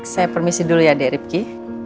saya permisi dulu ya deripki